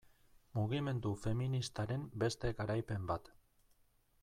Mugimendu feministaren beste garaipen bat.